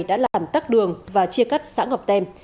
đã làm tắt đường và chia cắt xã ngọc têm